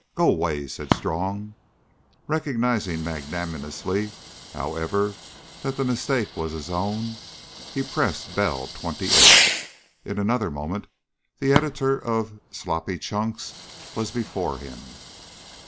"Go away," said Strong. Recognising magnanimously, however, that the mistake was his own, he pressed bell "28." In another moment the editor of Sloppy Chunks was before him.